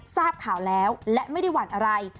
ทราบข่าวแล้วและไม่ได้หวั่นอะไร